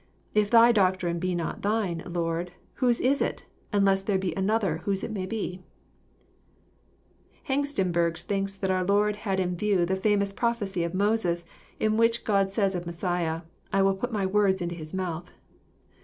If Thy doctrine be not Thine, Lord, whose is it, unless there be another whose it may be ?" Hengstenberg thinks that our Lord had in view the famous prophecy of Moses in which God says of Messiah, —I will put my words in his mouth."